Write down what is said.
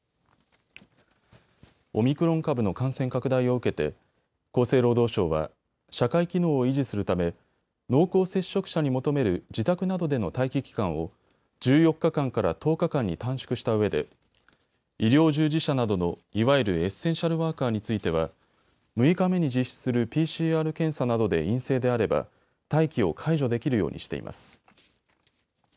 オミクロン株の感染拡大を受けて厚生労働省は社会機能を維持するため濃厚接触者に求める自宅などでの待機期間を１４日間から１０日間に短縮したうえで医療従事者などのいわゆるエッセンシャルワーカーについては６日目に実施するＰＣＲ検査などで陰性であれば待機を解除できるようにしています。